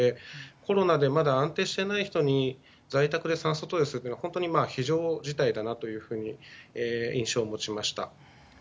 コロナでまだ安定してない人に在宅で酸素投与するのは非常事態だなという印象を持ちました。